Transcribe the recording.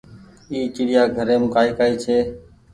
اي چڙيآ گهريم ڪآئي ڪآئي ڇي۔